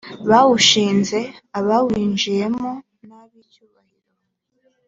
bawushinze abawinjiyemo n ab icyubahiro